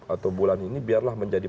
atau bulan ini biarlah menjadi